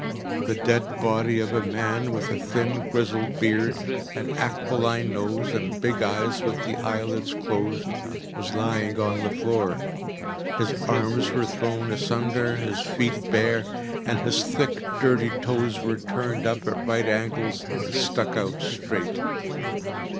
The dead body of a man, with a thin grizzled beard, an aquiline nose, and big eyes with the eyelids closed, was lying on the floor. His arms were thrown asunder, his feet bare, and his thick, dirty toes were turned up at right angles and stuck out straight.